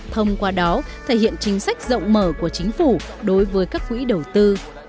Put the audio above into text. thông qua đó thể hiện chính sách rộng mở của chính phủ đối với các quỹ đầu tư